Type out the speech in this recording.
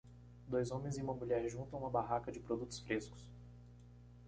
Dois homens e uma mulher juntam uma barraca de produtos frescos.